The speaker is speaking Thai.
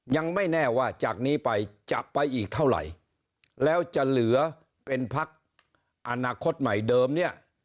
ยังไม่แน่ว่าจากนี้ไปจะไปอีกเท่าไหร่แล้วจะเหลือเป็นพักอนาคตใหม่เดิมเนี่ย